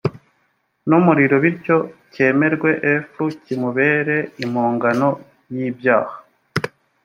n umuriro bityo cyemerwe f kimubere imponganog y ibyaha